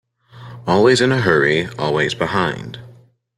Always in a hurry, always behind.